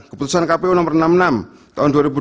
keputusan kpu nomor enam puluh enam tahun dua ribu dua puluh